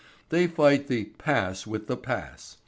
They fight the "pass with the pass."